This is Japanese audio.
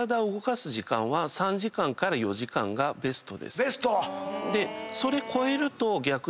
ベスト！